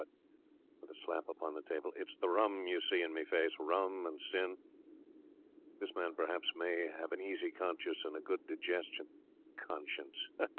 But,' with a slap upon the table, 'it's the rum you see in my face—rum and sin. This man, perhaps, may have an easy conscience and a good digestion. Conscience!